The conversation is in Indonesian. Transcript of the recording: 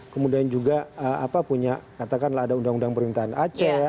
kemudian juga punya katakanlah ada undang undang pemerintahan aceh